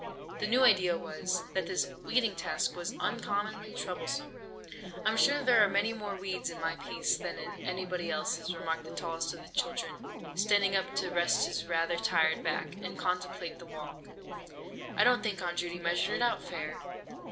The new idea was, that this weeding task was uncommonly troublesome! "I'm sure there are many more weeds in my piece than in anybody else's!" remarked the tallest of the children, standing up to rest his rather tired back, and contemplate the walk. "I don't think Aunt Judy measured it out fair!"